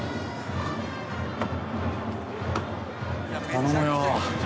「頼むよ」